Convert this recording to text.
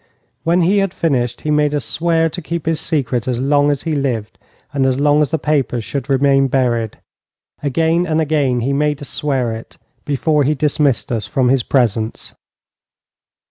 When he had finished, he made us swear to keep his secret as long as he lived, and as long as the papers should remain buried. Again and again he made us swear it before he dismissed us from his presence.